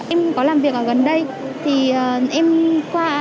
em có làm việc ở gần đây